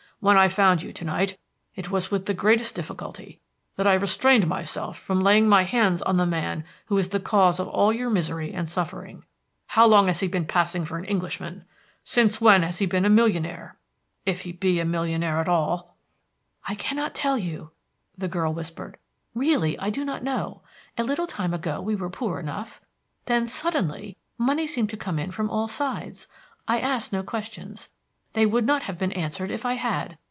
When I found you to night, it was with the greatest difficulty that I restrained myself from laying my hands on the man who is the cause of all your misery and suffering. How long has he been passing for an Englishman? Since when has he been a millionaire? If he be a millionaire at all." "I cannot tell you," the girl whispered. "Really, I do not know. A little time ago we were poor enough; then suddenly, money seemed to come in from all sides. I asked no questions; they would not have been answered if I had.